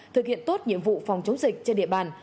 thực hiện tốt nhiệm vụ phòng chống dịch trên địa bàn